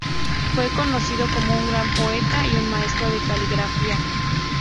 Fue conocido como un gran poeta y un maestro de caligrafía.